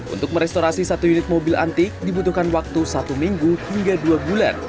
untuk merestorasi satu unit mobil antik dibutuhkan waktu satu minggu hingga dua bulan